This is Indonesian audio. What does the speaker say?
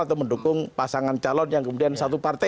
atau mendukung pasangan calon yang kemudian satu partai